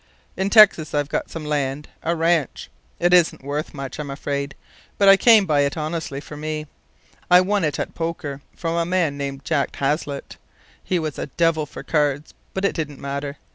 "In Texas I've got some land a ranch. It isn't worth much, I'm afraid, but I came by it honestly, for me. I won it at poker from a man named Jack Haslett. He was a devil for cards, but it didn't matter.